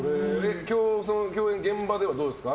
共演現場ではどうですか？